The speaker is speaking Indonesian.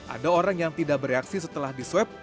ada orang yang tidak bereaksi setelah diswep